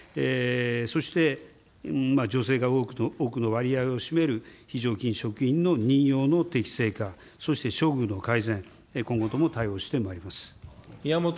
そして女性が多くの割合を占める非常勤職員の任用の適正化、そして処遇の改善、今後とも対応してまいります。